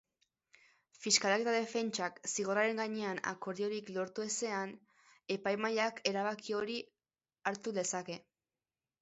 Fiskalak eta defentsak zigorraren gainean akordiorik lortu ezean epaimahaiak erabaki hori hartu lezake.